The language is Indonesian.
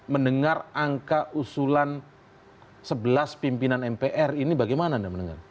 mendengar angka usulan sebelas pimpinan mpr ini bagaimana anda mendengar